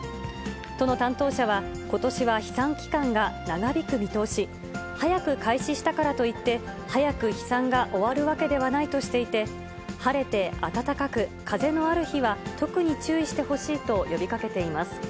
都の担当者は、ことしは飛散期間が長引く見通し。早く開始したからといって、早く飛散が終わるわけではないとしていて、晴れて暖かく、風のある日は特に注意してほしいと呼びかけています。